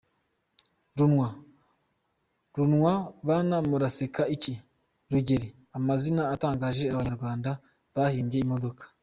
Runwa, Bana muraseka iki?, Rugeri… Amazina atangaje Abanyarwanda bahimbye imodoka.